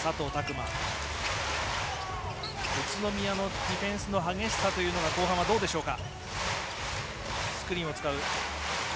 宇都宮のディフェンスの激しさというのは後半はどうでしょうか。